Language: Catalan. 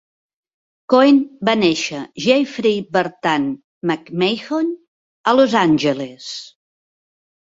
Cohen va néixer Jeffrey Bertan McMahon a Los Angeles.